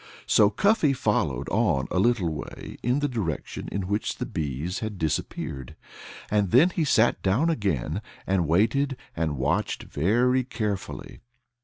So Cuffy followed on a little way in the direction in which the bees had disappeared. And then he sat down again and waited and watched very carefully.